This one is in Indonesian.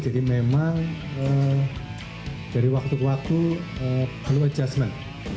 jadi memang dari waktu ke waktu perlu adjustment